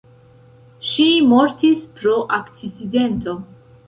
Ŝi mortis pro akcidento.